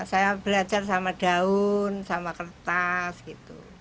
saya belajar sama daun sama kertas gitu